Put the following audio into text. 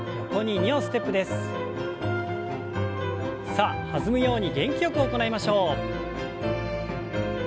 さあ弾むように元気よく行いましょう。